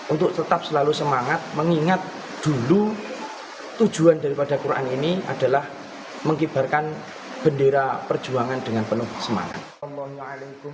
untuk tetap selalu semangat mengingat dulu tujuan daripada quran ini adalah mengibarkan bendera perjuangan dengan penuh semangat